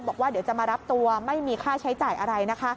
บอกว่าเดี๋ยวจะมารับตัวไม่มีค่าใช้จ่ายอะไร